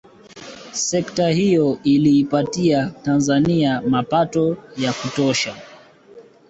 Sekta hiyo iliipatia Tanzania mapato ya kuotosha